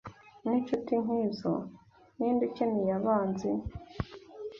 Ninshuti nkizo, ninde ukeneye abanzi?